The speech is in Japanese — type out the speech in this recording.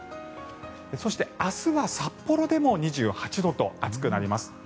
そして、明日は札幌でも２８度と暑くなります。